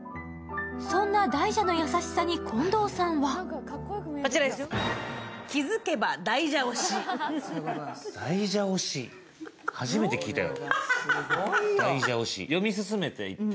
そんな大蛇の優しさに近藤さんは初めて聞いたよ。